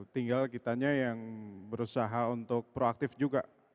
tinggal kitanya yang berusaha untuk proaktif juga